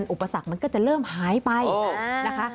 อุปสรรคมันก็จะเริ่มหายไปนะคะ